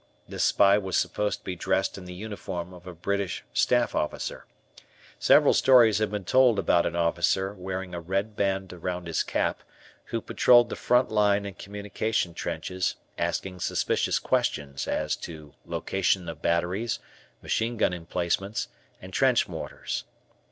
This spy was supposed to be dressed in the uniform of a British Staff Officer. Several stories had been told about an officer wearing a red band around his cap, who patrolled the front line and communication trenches asking suspicious questions as to location of batteries, machine gun emplacements, and trench mortars.